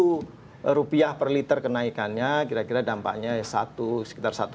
kira kira kalau rp satu per liter kenaikannya dampaknya sekitar satu satu sampai satu dua